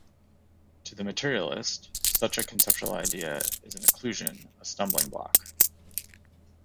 To the materialist, such a conceptual idea is an occlusion, a stumbling-block